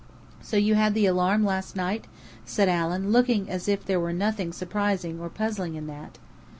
"So you had the alarm last night?" said Allen, looking as if there were nothing surprising or puzzling in that.